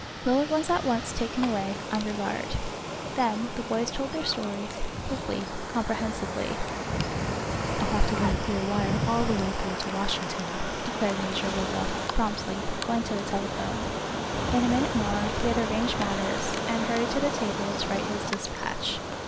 Millard was at once taken away, under guard. Then the boys told their stories, quickly, comprehensively. "I'll have to get a clear wire all the way through to Washington," declared Major Woodruff, promptly, going to the telephone. In a minute more he had arranged matters, and hurried to the table to write his despatch.